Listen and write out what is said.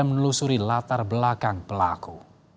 menelusuri latar belakang pelaku